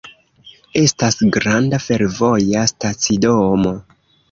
Estas granda fervoja stacidomo.